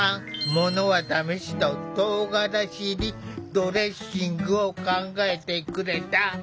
ものは試しと「とうがらし入りドレッシング」を考えてくれた。